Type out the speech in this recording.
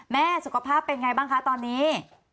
สุขภาพเป็นไงบ้างคะตอนนี้